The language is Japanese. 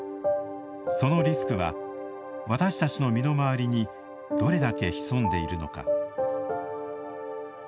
そのリスクは私たちの身の回りにどれだけ潜んでいるのか。